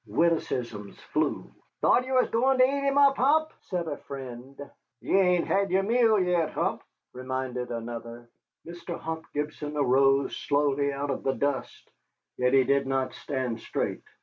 Witticisms flew. "Thought ye was goin' to eat 'im up, Hump?" said a friend. "Ye ain't hed yer meal yet, Hump," reminded another. Mr. Hump Gibson arose slowly out of the dust, yet he did not stand straight.